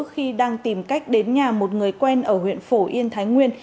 khi đang tìm cách đến nhà một người quen ở huyện phổ yên thái nguyên